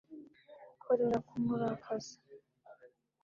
korera kumurakaza